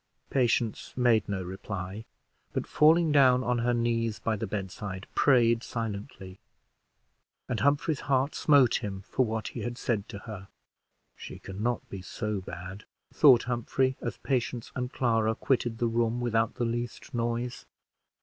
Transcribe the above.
Patience made no reply, but falling down on her knees by the bedside, prayed silently; and Humphrey's heart smote him for what he had said to her. "She can not be so bad," thought Humphrey, as Patience and Clara quitted the room without the least noise.